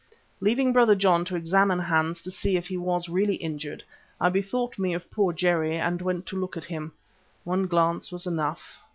Leaving Brother John to examine Hans to see if he was really injured, I bethought me of poor Jerry and went to look at him. One glance was enough.